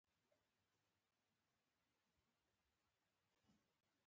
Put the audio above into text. اقتصاد په ټپه ودرید.